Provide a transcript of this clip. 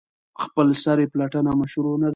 خپلسري پلټنه مشروع نه ده.